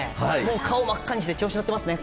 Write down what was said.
顔を真っ赤にして調子に乗っていますね。